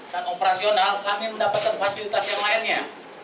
operasional kami mendapatkan fasilitas yang lainnya